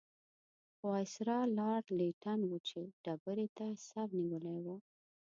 خو وایسرا لارډ لیټن وچې ډبرې ته سر نیولی وو.